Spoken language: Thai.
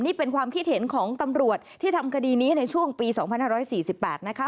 นี่เป็นความคิดเห็นของตำรวจที่ทำคดีนี้ในช่วงปี๒๕๔๘นะคะ